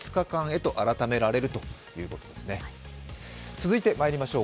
続いてまいりましょう。